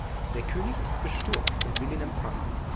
Der König ist bestürzt und will ihn empfangen.